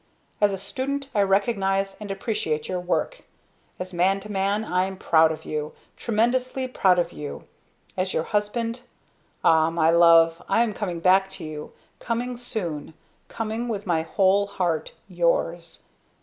As a student I recognize and appreciate your work. As man to man I'm proud of you tremendously proud of you. As your husband! Ah! my love! I am coming back to you coming soon, coming with my Whole Heart, Yours!